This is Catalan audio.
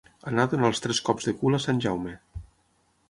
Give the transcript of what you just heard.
Anar a donar els tres cops de cul a sant Jaume.